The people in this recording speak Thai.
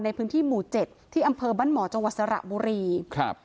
ในพื้นที่หมู่เจ็ดที่อำเภอบ้านหมอจังหวัดสระบุรีครับ